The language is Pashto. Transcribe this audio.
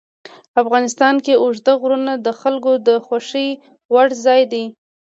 افغانستان کې اوږده غرونه د خلکو د خوښې وړ ځای دی.